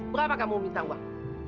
berapa kamu minta uang